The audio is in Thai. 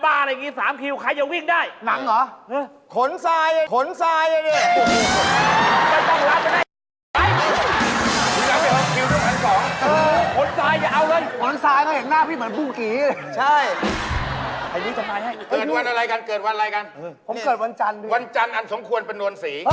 อุ๊ยนี่มึงรับงานบ้าอะไรอย่างงี้๓คิวใครจะวิ่งได้